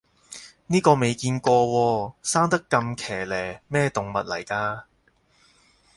呢個未見過喎，生得咁奇離，咩動物嚟㗎